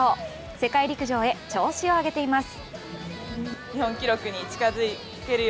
世界陸上へ調子を上げています。